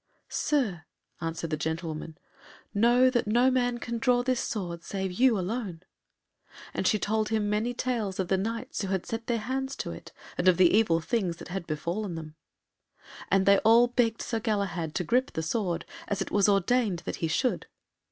"Sir," answered the gentlewoman, "know that no man can draw this sword save you alone;" and she told him many tales of the Knights who had set their hands to it, and of the evil things that had befallen them. And they all begged Sir Galahad to grip the sword, as it was ordained that he should.